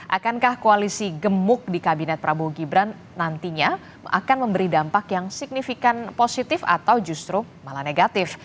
akankah koalisi gemuk di kabinet prabowo gibran nantinya akan memberi dampak yang signifikan positif atau justru malah negatif